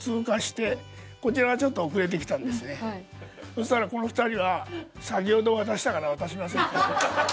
そしたらこの２人は先ほどお渡ししたから渡しませんって。